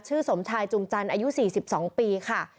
สมชายจุมจันทร์อายุ๔๒ปีค่ะ